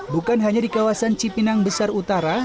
bukan hanya di kawasan cipinang besar utara